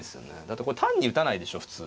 だってこれ単に打たないでしょう普通。